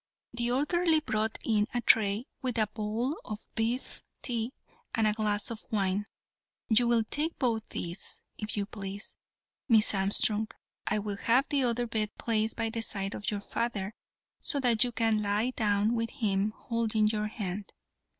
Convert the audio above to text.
The orderly brought in a tray with a bowl of beef tea and a glass of wine. "You will take both these, if you please, Miss Armstrong, and I will have the other bed placed by the side of your father, so that you can lie down with him holding your hand.